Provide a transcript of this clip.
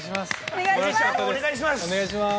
お願いしまーす